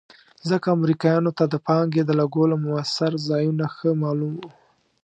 ځکه امریکایانو ته د پانګې د لګولو مؤثر ځایونه ښه معلوم وو.